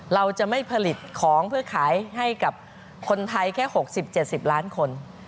เราจะไม่ผลิตของเพื่อขายให้กับคนไทยแค่๖๐๗๐ล้านคน